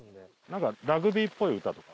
ラグビーっぽい歌とか。